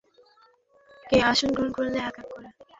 সে আসন গ্রহণ করলে এক এক করে সকলেই বসে পড়ে।